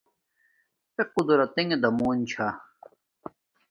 اݺ قرتݵݣݺ دمݸن چھݳ.